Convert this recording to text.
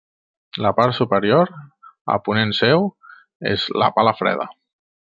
La part superior, a ponent seu, és la Pala Freda.